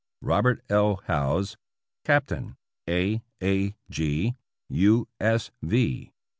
Robert L. Howze, Captain A. A. G., U. S. V.